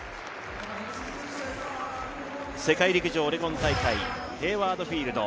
世界陸上オレゴン大会、ヘイワード・フィールド。